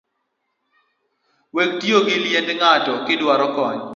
Wek tiyo gi liend ng’ato kiduaro kony